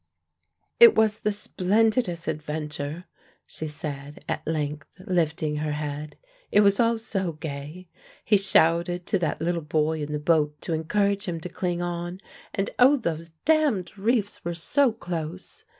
"It was the splendidest adventure," she said at length, lifting her head. "It was all so gay. He shouted to that little boy in the boat to encourage him to cling on, and oh, those damned reefs were so close.